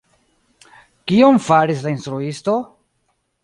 Kion faris la instruisto?